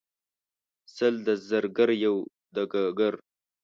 سل د زرګر یو دګګر.